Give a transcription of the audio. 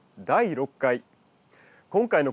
第６回。